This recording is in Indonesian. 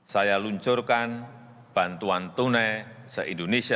saya luncurkan bantuan tunai se indonesia